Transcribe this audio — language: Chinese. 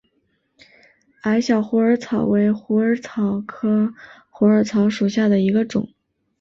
矮小虎耳草为虎耳草科虎耳草属下的一个种。